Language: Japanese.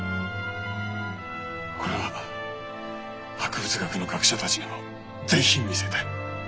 これは博物学の学者たちにも是非見せたい。